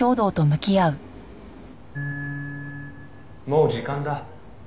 「もう時間だ」